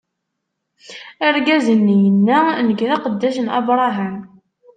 Argaz-nni yenna: Nekk, d aqeddac n Abṛaham.